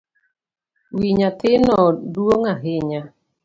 Wi nyathino duong’ ahinya